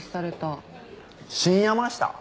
新山下？